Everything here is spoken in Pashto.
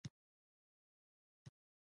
د Capital Formation تحقق باید ومومي.